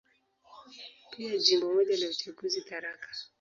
Pia Jimbo moja la uchaguzi, Tharaka.